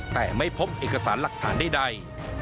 แต่ไม่พบเอกสารหลักฐานใด